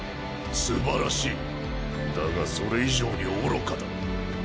すばらしいだがそれ以上に愚かだ。